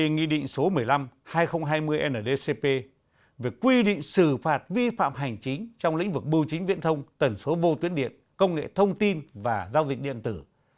nghị định số một mươi năm hai nghìn hai mươi ndcp về quy định xử phạt vi phạm hành chính trong lĩnh vực bưu chính viễn thông tần số vô tuyến điện công nghệ thông tin và giao dịch điện tử